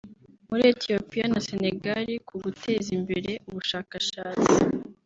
muri Ethiopia na Senegal ku guteza imbere ubushakashatsi